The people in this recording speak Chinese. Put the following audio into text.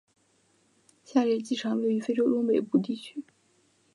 下列机场位于非洲东北部地区。